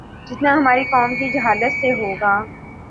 جتنا ہماری قوم کی جہالت سے ہو گا